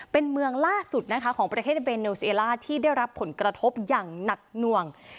เป็นเมืองล่าสุดนะคะของประเทศเบนเนลเซล่าที่ได้รับผลกระทบอย่างหนักหน่วง